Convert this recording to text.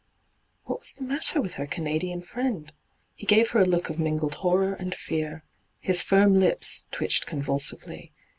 What was the matter with her Canadian friend ? He gave her a look of mingled horror and fear. His firm lips twitched convulsively.